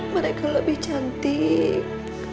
mereka lebih cantik